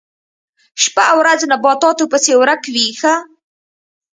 شپه او ورځ نباتاتو پسې ورک وي ښه.